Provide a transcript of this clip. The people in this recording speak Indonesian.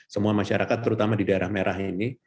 semua masyarakat terutama di daerah merah ini